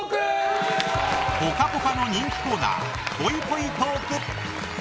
「ぽかぽか」の人気コーナーぽいぽいトーク。